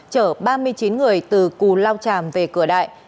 chở ba mươi chín người từ cù lao tràm về cửa đại